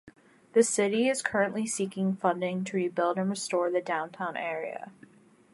The city is currently seeking funding to rebuild and restore the downtown area.